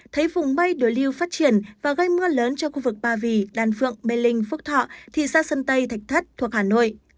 thấy vùng mây đối lưu phát triển và gây mưa lớn cho khu vực ba vì đàn phượng mê linh phúc thọ thị xã sơn tây thạch thất thuộc hà nội